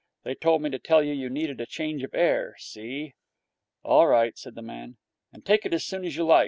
They told me to tell you you needed a change of air. See?' 'All right!' said the man. 'And take it as soon as you like.